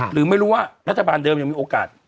หรือไม่รู้ว่ารัฐบาลเดิมยังมีโอกาส